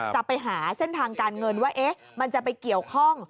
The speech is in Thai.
จะไปหาเส้นทางการเงินว่ามันจะไปเกี่ยวข้อง